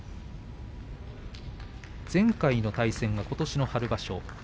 前回の対戦はことしの春場所。